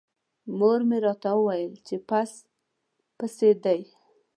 مور مې راته وویل چې پس پسي دی.